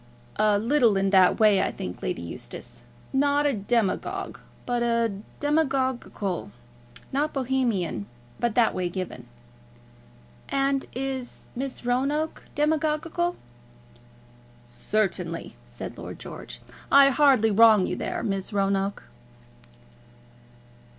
"A little in that way, I think, Lady Eustace; not a demagogue, but demagognical; not a Bohemian, but that way given." "And is Miss Roanoke demagognical?" "Certainly," said Lord George. "I hardly wrong you there, Miss Roanoke?"